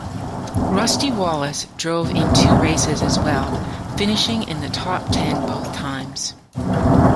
Rusty Wallace drove in two races as well, finishing in the top-ten both times.